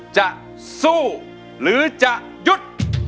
จะสู้หรือจะหยุด